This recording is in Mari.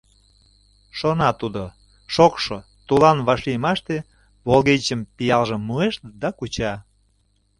Шона тудо: шокшо, тулан вашлиймаште Волгенчым-пиалжым муэш да куча.